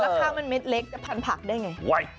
ข้างมันเด็ดเล็กจะพันผักได้ไง